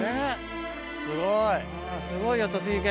すごい。